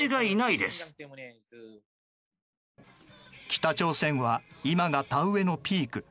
北朝鮮は今が田植えのピーク。